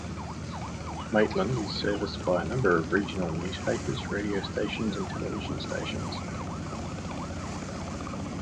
Maitland is serviced by a number of regional newspapers, radio stations and television stations.